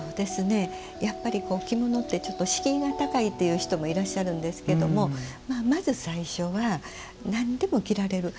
やっぱり、着物ってちょっと敷居が高いっていう人もいらっしゃるんですがまず最初はなんでも着られる。